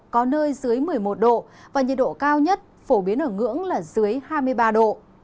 có nơi dưới một mươi một độ và nhiệt độ cao nhất phổ biến ở ngưỡng là dưới hai mươi ba độ